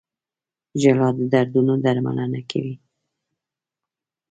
• ژړا د دردونو درملنه کوي.